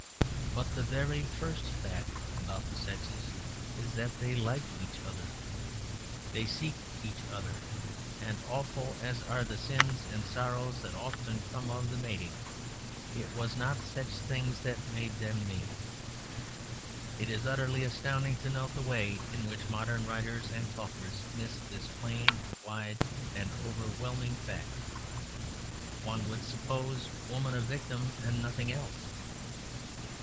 But the very first fact about the sexes is that they like each other. They seek each other: and awful as are the sins and sorrows that often come of their mating, it was not such things that made them meet. It is utterly astounding to note the way in which modern writers and talkers miss this plain, wide, and overwhelming fact: one would suppose woman a victim and nothing else.